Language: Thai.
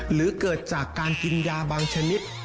หรือเกิดจากการกินยาบางชนิด